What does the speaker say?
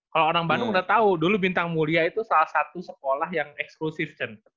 kalau orang bandung udah tahu dulu bintang mulia itu salah satu sekolah yang eksklusive